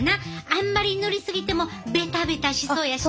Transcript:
あんまり塗り過ぎてもベタベタしそうやしな。